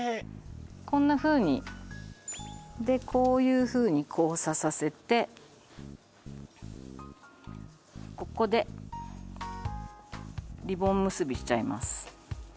こんなふうにでこういうふうに交差させてここでリボン結びしちゃいます